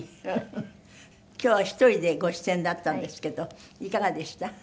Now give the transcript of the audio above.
今日は１人でご出演だったんですけどいかがでした？